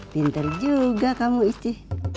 pinter juga kamu isci